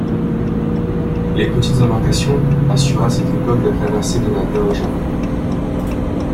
Les petites embarcations assuraient à cette époque la traversée de la Daugava.